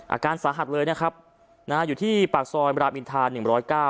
อาการสาหัสเลยนะครับนะฮะอยู่ที่ปากซอยรามอินทาหนึ่งร้อยเก้า